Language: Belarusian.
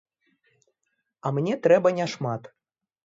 А мне трэба няшмат.